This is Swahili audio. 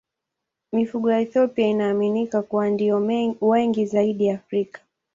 Mifugo ya Ethiopia inaaminika kuwa ndiyo wengi zaidi Afrika.